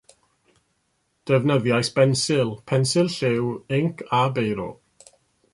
Defnyddiais bensil, pensil lliw, inc a beiro